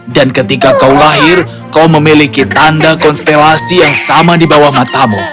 dan ketika kau lahir kau memiliki tanda konstelasi yang sama di bawah matamu